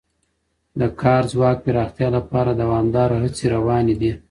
د کار ځواک پراختیا لپاره دوامداره هڅې روانې دي.